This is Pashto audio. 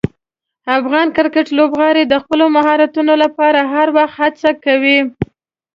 افغان کرکټ لوبغاړي د خپلو مهارتونو لپاره هر وخت هڅه کوي.